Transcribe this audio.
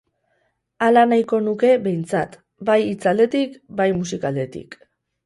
Hala nahiko nuke behintzat, bai hitz aldetik bai musika aldetik.